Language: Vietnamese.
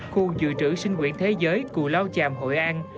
khu dự trữ sinh quyền thế giới cụ lao chàm hội an